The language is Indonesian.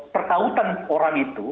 pertautan orang itu